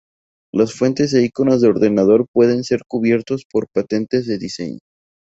Las fuentes e iconos de ordenador pueden ser cubiertos por patentes de diseño.